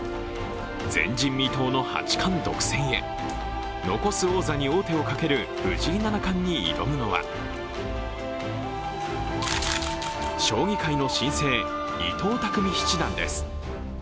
前人未到の八冠独占へ、残す王座に王手をかける藤井七冠に挑むのは将棋界の新星・伊藤匠七段です。